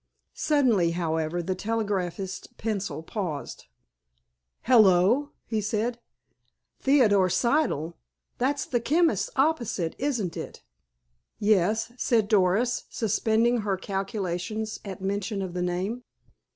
Suddenly, however, the telegraphist's pencil paused. "Hello!" he said. "Theodore Siddle! That's the chemist opposite, isn't it!" "Yes," said Doris, suspending her calculations at mention of the name.